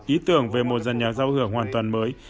ý tưởng về một giàn nhạc giao hưởng hoàn toàn mới